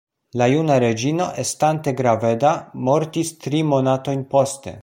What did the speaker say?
La juna reĝino, estante graveda, mortis tri monatojn poste.